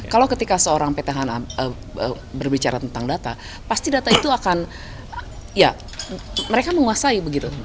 kalau ketika seorang petahana berbicara tentang data pasti data itu akan ya mereka menguasai begitu